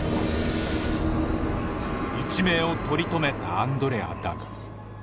一命を取り留めたアンドレアだが。